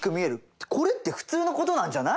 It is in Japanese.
これって普通のことなんじゃないの？